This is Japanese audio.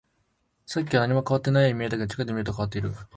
さっきは何も変わっていないように見えたけど、近くで見ると変わっている